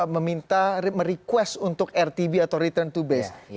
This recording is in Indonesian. meminta merequest untuk rtb atau return to base